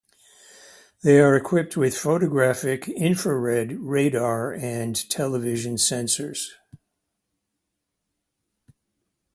They are equipped with photographic, infrared, radar, and television sensors.